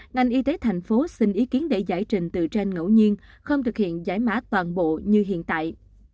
ngành y tế thành phố xin ý kiến để giải trình từ trên ngẫu nhiên không thực hiện giải mã toàn bộ như hiện tại